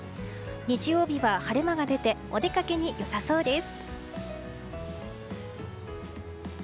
日曜日は晴れ間が出てお出かけに良さそうです。